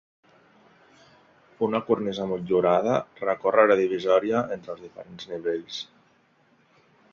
Una cornisa motllurada recorre la divisòria entre els diferents nivells.